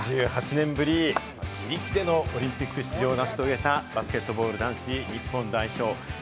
４８年ぶり自力でのオリンピック出場を成し遂げたバスケットボール男子日本代表。